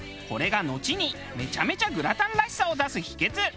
これがのちにめちゃめちゃグラタンらしさを出す秘訣。